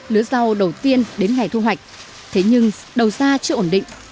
lứa rau đầu tiên đến ngày thu hoạch thế nhưng đầu ra chưa ổn định